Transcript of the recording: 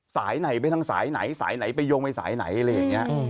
สายไหนไปทางสายไหนสายไหนไปโยงไปสายไหนอะไรอย่างนี้